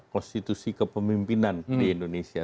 konstitusi kepemimpinan di indonesia